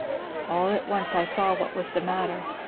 "All at once I saw what was the matter.